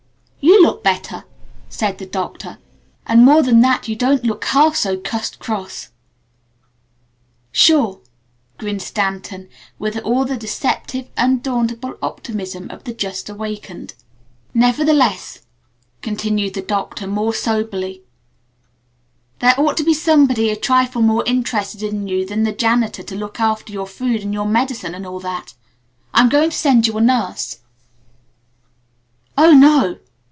"You look better!" said the Doctor. "And more than that you don't look half so 'cussed cross'." "Sure," grinned Stanton, with all the deceptive, undauntable optimism of the Just Awakened. "Nevertheless," continued the Doctor more soberly, "there ought to be somebody a trifle more interested in you than the janitor to look after your food and your medicine and all that. I'm going to send you a nurse." "Oh, no!"